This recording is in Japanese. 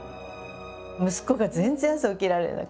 息子が全然朝起きられなくていや